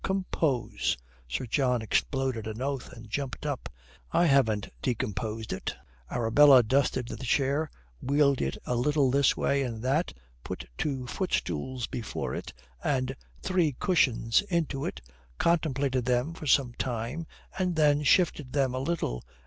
"Compose!" Sir John exploded an oath, and jumped up. "I ha'n't decomposed it." Arabella dusted the chair, wheeled it a little this way and that, put two footstools before it, and three cushions into it, contemplated them for some time, and then shifted them a little.